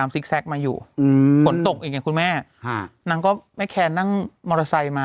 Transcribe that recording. ซิกแซคมาอยู่ฝนตกอีกอย่างคุณแม่นางก็ไม่แคร์นั่งมอเตอร์ไซค์มา